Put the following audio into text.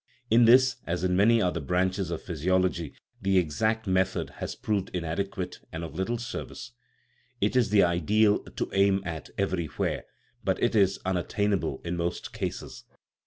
In this, as in many other branches of physiology, the " exact " method has proved inadequate and of little service. It is the ideal to aim at everywhere, but it is unattainable in most cases.